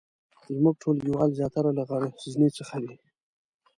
زمونږ ټولګیوال زیاتره له غزني څخه دي